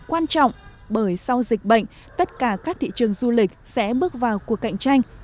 quan trọng bởi sau dịch bệnh tất cả các thị trường du lịch sẽ bước vào cuộc cạnh tranh